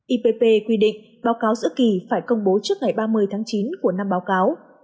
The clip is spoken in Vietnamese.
ipp quy định báo cáo giữa kỳ phải công bố trước ngày ba mươi tháng chín của năm báo cáo